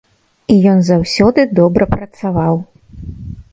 І ён заўсёды добра працаваў.